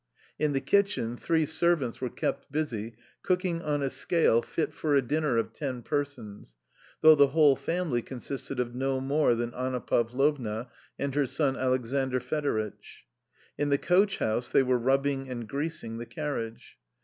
"T In the kitchen three servants were kept busy codEing on a scale fit for a dinner of ten persons, though the whole family consisted of no more than Anna Pavlovna and her son Alexandr Fedoritch. In the coach house they were rub bing and greasing the carriage.